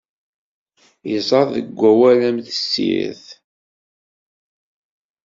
Iẓẓad deg wawal am tessirt.